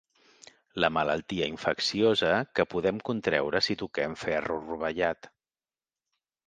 La malaltia infecciosa que podem contreure si toquem ferro rovellat.